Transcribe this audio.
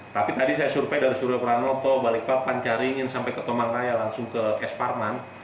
tapi tadi saya survei dari suryo pranoto balikpapan caringin sampai ke tomang raya langsung ke es parman